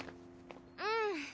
うん。